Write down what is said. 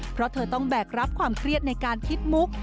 เพราะเธอต้องแบกรับความเครียดในการคิดมุก